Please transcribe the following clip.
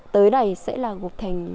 tới đây sẽ là gục thành